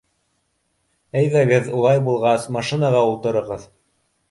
Әйҙәгеҙ, улай булғас машинаға ултырығыҙ.